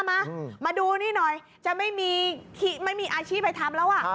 มามาดูนี่หน่อยจะไม่มีไม่มีอาชีพไปทำแล้วอ่ะ